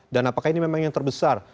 apakah ini memang yang terbesar